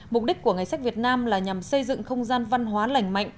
mục đích của ngày sách việt nam là nhằm xây dựng không gian văn hóa lành mạnh